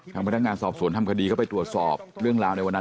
พนักงานสอบสวนทำคดีก็ไปตรวจสอบเรื่องราวในวันนั้น